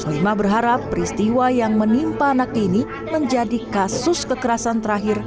solima berharap peristiwa yang menimpa anak ini menjadi kasus kekerasan terakhir